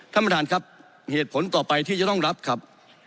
ท่านประธานครับเหตุผลต่อไปที่จะต้องรับครับ